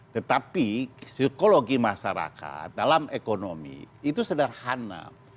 tetapi psikologi masyarakat dalam ekonomi itu sederhana